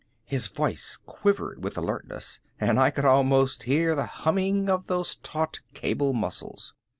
His voice quivered with alertness and I could almost hear the humming of those taut cable muscles.